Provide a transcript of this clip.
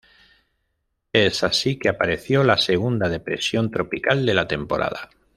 Es así que apareció la segunda depresión tropical de la temporada.